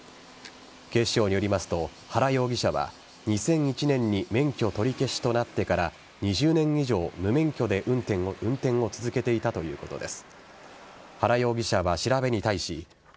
警視庁によりますと原容疑者は２００１年に免許取り消しとなってから２０年以上、無免許で運転を続けていたということです。